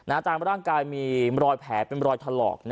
อาจารย์ล่างกายมีมรอยแผลเป็นมรอยทะหรอก